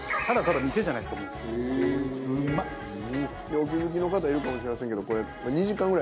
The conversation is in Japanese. お気付きの方いるかもしれませんけど。